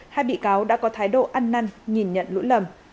hai bị cáo đã có thái độ ăn năn nhìn nhận lỗi lầm